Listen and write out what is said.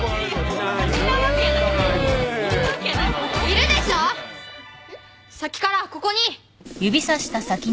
いるでしょさっきからここに。